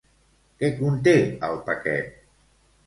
Què conté el paquet?